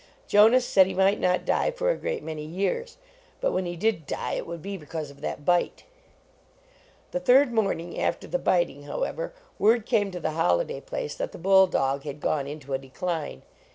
Jonas said he might not die for a great many years, but when he did die it would be because of that bite. The third morning after the biting, how ever, word came to the Holliday place that the bull dog had gone into a decline.